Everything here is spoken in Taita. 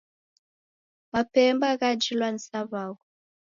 Mapemba ghajilwa ni saw'au.